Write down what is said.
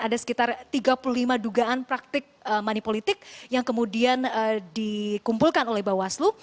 ada sekitar tiga puluh lima dugaan praktik money politik yang kemudian dikumpulkan oleh bawaslu